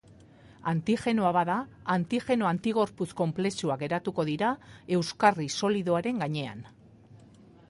Antigenoa bada, antigeno-antigorputz konplexuak eratuko dira euskarri solidoaren gainean.